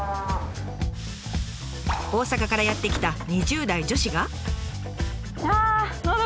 大阪からやって来た２０代女子が。